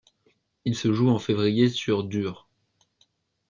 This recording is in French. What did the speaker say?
Il se joue en février sur dur.